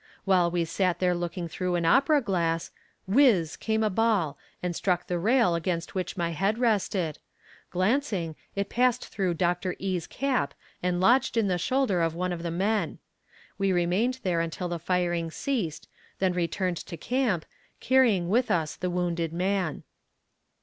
While we sat there looking through an opera glass, whiz! came a ball and struck the rail against which my head rested; glancing, it passed through Dr. E.'s cap and lodged in the shoulder of one of the men. We remained there until the firing ceased, then returned to camp, carrying with us the wounded man.